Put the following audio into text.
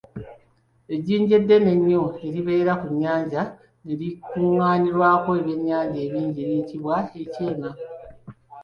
Ejjinja eddene ennyo eribeera mu nnyanja ne likuŋaanirako ebyennyanja ebingi liyitibwa ekyema.